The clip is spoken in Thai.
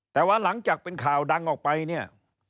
แต่ว่าหลังจากเป็นข่าวดังออกไปเนี่ย